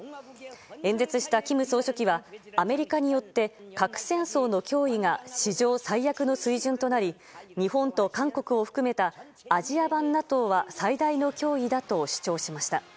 演説した金総書記はアメリカによって核戦争の脅威が史上最悪の水準となり日本と韓国を含めたアジア版ＮＡＴＯは最大の脅威だと主張しました。